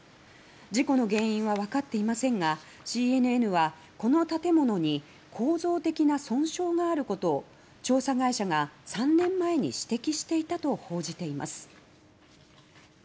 事故の原因はわかっていませんがＣＮＮは、この建物に構造的な損傷があることを調査会社が３年前に指摘していたと報じています。